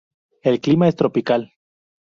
El clima es tropical.